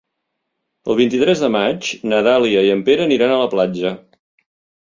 El vint-i-tres de maig na Dàlia i en Pere aniran a la platja.